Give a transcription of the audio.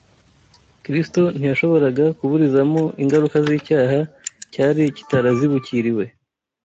Kristo ntiyashoboraga kuburizamo ingaruka z’icyaha cyari kitarazibukiriwe